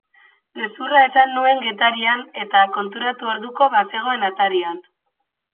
Gezurra esan nuen Getarian eta konturatu orduko bazegoen atarian.